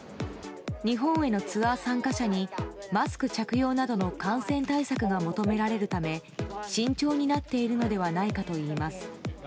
日本へのツアー参加者にマスク着用などの感染対策が求められるため慎重になっているのではないかといいます。